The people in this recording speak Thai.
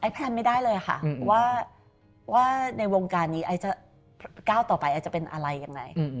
แพลนไม่ได้เลยค่ะว่าในวงการนี้ก้าวต่อไปจะเป็นอะไรอย่างไร